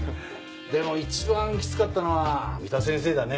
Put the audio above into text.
でも一番キツかったのは三田先生だね。